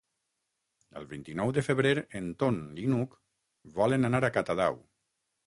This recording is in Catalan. El vint-i-nou de febrer en Ton i n'Hug volen anar a Catadau.